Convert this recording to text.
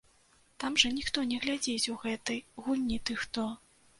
Там жа ніхто не глядзіць у гэтай гульні ты хто.